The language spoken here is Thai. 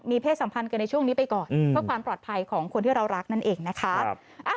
เพศสัมพันธ์กันในช่วงนี้ไปก่อนเพื่อความปลอดภัยของคนที่เรารักนั่นเองนะคะ